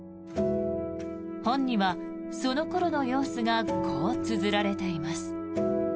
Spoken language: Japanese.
本にはその頃の様子がこうつづられています。